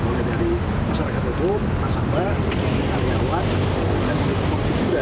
mulai dari masyarakat hukum masyarakat karyawan dan politik juga